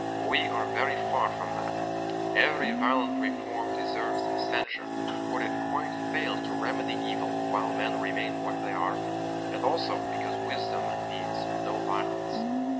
We are very far from that. Every violent reform deserves censure, for it quite fails to remedy evil while men remain what they are, and also because wisdom needs no violence.